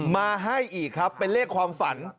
มาให้อีกครับเป็นเลขความฝัน